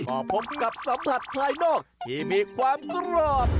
มาพบกับสัมผัสภายนอกที่มีความกรอบ